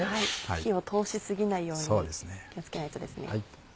火を通し過ぎないように気を付けないとですね。